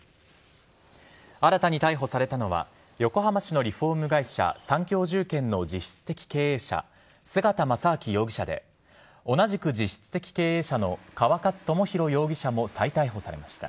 新たに逮捕されたのは、横浜市のリフォーム会社、三共住建の実質的経営者、菅田真彬容疑者で、同じく実質的経営者の、川勝智弘容疑者も再逮捕されました。